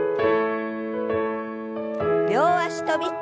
両脚跳び。